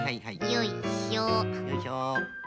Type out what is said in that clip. よいしょ。